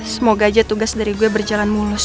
semoga aja tugas dari gue berjalan mulus